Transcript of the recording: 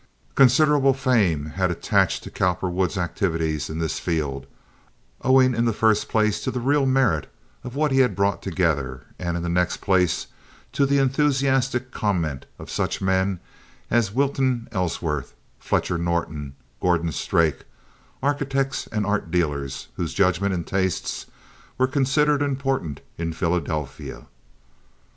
Considerable fame had attached to Cowperwood's activities in this field, owing in the first place to the real merit of what he had brought together, and in the next place to the enthusiastic comment of such men as Wilton Ellsworth, Fletcher Norton, Gordon Strake—architects and art dealers whose judgment and taste were considered important in Philadelphia.